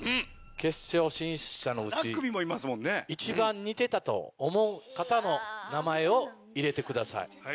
決勝進出者のうち一番似てたと思う方の名前を入れてください。